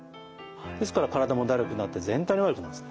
ですから体もだるくなって全体に悪くなるんですね。